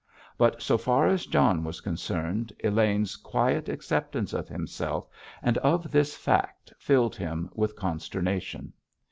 But so far as John was concerned, Elaine's quiet acceptance of himself and of this fact filled him with consternation.